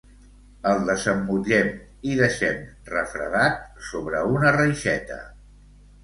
El desemmotllem i deixem refredat sobre una reixeta.